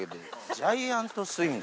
ジャイアントスイング？